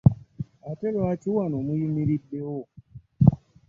Ate lwaki wano muyimiriddewo?